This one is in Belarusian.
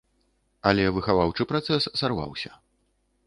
Але выхаваўчы працэс сарваўся.